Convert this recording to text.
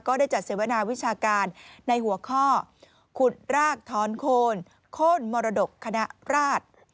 ได้จัดเสวนาวิชาการในหัวข้อขุดรากถอนโคนโค้นมรดกคณะราช